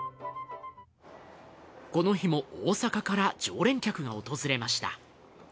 この日も大阪から常連客が訪れました。